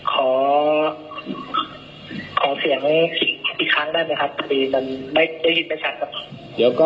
ขอเสียงอีกครั้งได้ไหมครับผมก็ไม่เห็นมาก